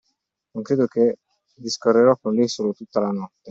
Non credo che discorrerò con lei sola tutta la notte!